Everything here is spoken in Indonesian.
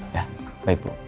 ya baik bu